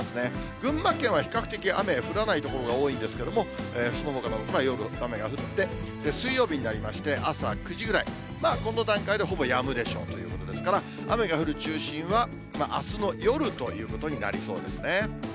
群馬県は比較的雨、降らない所が多いんですけれども、そのほかは、夜、雨が降って、水曜日になりまして、朝９時ぐらい、この段階でほぼやむでしょうということですから、雨が降る中心は、あすの夜ということになりそうですね。